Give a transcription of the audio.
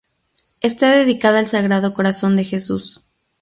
Está dedicada al Sagrado Corazón de Jesús.